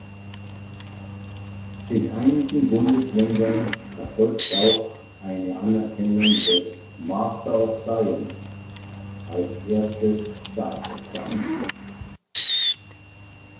In einigen Bundesländern erfolgt auch eine Anerkennung des Master of Science als erstes Staatsexamen.